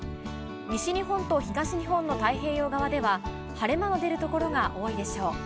西日本と東日本の太平洋側では、晴れ間の出る所が多いでしょう。